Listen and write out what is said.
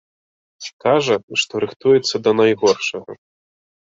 Кажа, што рыхтуецца да найгоршага.